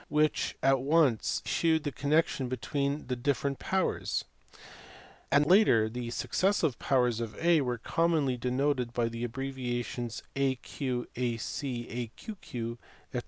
which at once shewed the connection between the dif ferent powers : and later the successive powers of A w r ere commonly denoted by the abbreviations Aq, Ac, Aqq, &c.